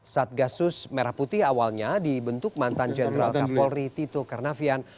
satgasus merah putih awalnya dibentuk mantan jenderal kapolri tito karnavian